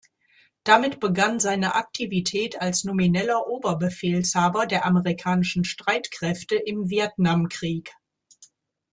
Damit begann seine Aktivität als nomineller Oberbefehlshaber der amerikanischen Streitkräfte im Vietnamkrieg.